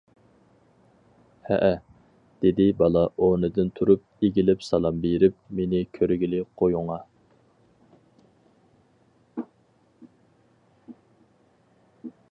ھەئە، - دېدى بالا ئورنىدىن تۇرۇپ ئېگىلىپ سالام بېرىپ، - مېنى كىرگىلى قويۇڭا!